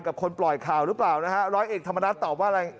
คนปล่อยข่าวหรือเปล่านะฮะร้อยเอกธรรมนัฐตอบว่าอะไร